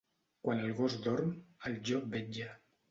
Quan el gos dorm, el llop vetlla.